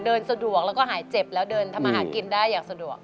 เดินสะดวกแล้วก็หายเจ็บแล้วเดินทำอาหารกินได้อย่างสะดวก